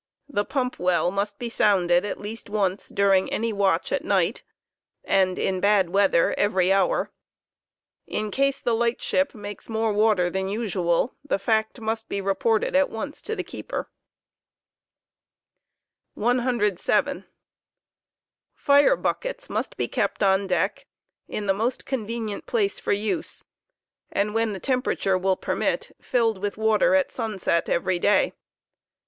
The pump well must be sounded at least once during any watch at night, and in bad' weather, every hour. In case the light ship makes more water than usual, the fact must be reported at once to the Fire baoteta 107. Fire buckets must be kept on deck in the most convenient place for use, and and procnutionu » 7 . against ere. when the temperature will permit, filled with water at sunset every day.